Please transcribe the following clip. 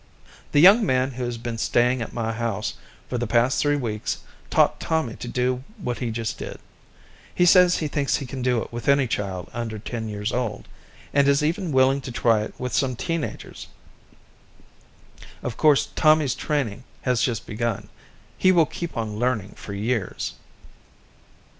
"The young man who has been staying at my house for the past three weeks taught Tommy to do what he just did. He says he thinks he can do it with any child under ten years old, and is even willing to try it with some teen agers. Of course, Tommy's training has just begun. He will keep on learning for years.